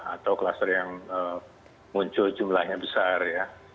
atau kluster yang muncul jumlahnya besar ya